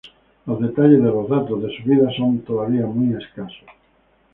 Los detalles de los datos de su vida son todavía muy escasos.